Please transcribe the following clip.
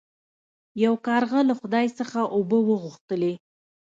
یو کارغه له خدای څخه اوبه وغوښتلې.